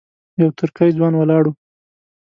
یو ترکی ځوان ولاړ و.